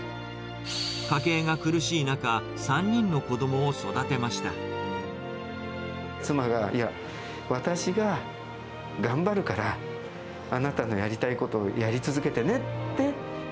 家計が苦しい中、３人の子どもを妻が、いや、私が頑張るから、あなたのやりたいことをやり続けてねって。